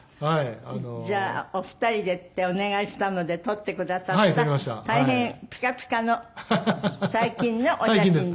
じゃあお二人でってお願いしたので撮ってくださった大変ピカピカの最近のお写真です。